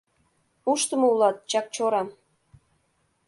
— Ушдымо улат, Чакчора: